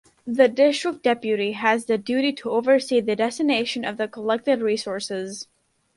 The district deputy has the duty to oversee the destination of the collected resources.